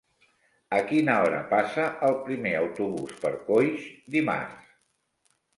A quina hora passa el primer autobús per Coix dimarts?